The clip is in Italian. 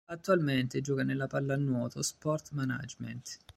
Attualmente gioca nella Pallanuoto Sport Management.